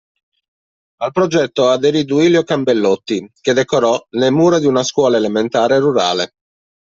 Al progetto aderì Duilio Cambellotti che decorò le mura di una scuola elementare rurale.